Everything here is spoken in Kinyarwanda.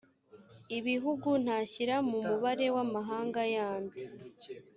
ibihugu ntashyira mu mubare w’amahanga yandi.